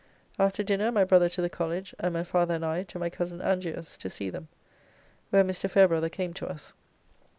After dinner my brother to the College, and my father and I to my Cozen Angier's, to see them, where Mr. Fairbrother came to us.